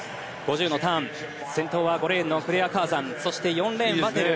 ５０のターン、先頭は５レーンのクレア・カーザン４レーン、ワテル